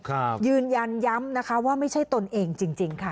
ยืนยันย้ำนะคะว่าไม่ใช่ตนเองจริงจริงค่ะ